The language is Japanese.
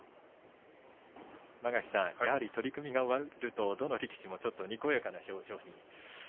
間垣さん、やはり取組が終わるとどの力士もちょっとにこやかな表情に。